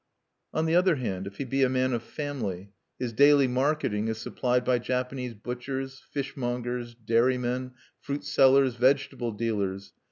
On the other hand, if he be a man of family, his daily marketing is supplied by Japanese butchers, fishmongers, dairymen, fruit sellers, vegetable dealers.